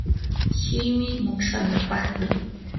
shimi mutsanapaqmi.